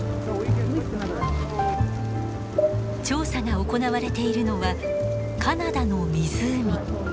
調査が行われているのはカナダの湖